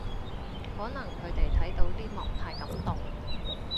可能佢哋睇到呢幕太感動